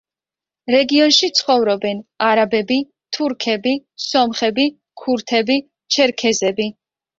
რეგიონში ცხოვრობენ არაბები, თურქები, სომხები, ქურთები, ჩერქეზები.